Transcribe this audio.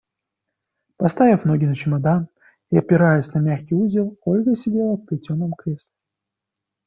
Поставив ноги на чемодан и опираясь на мягкий узел, Ольга сидела в плетеном кресле.